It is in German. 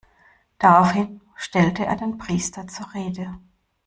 Daraufhin stellte er den Priester zur Rede.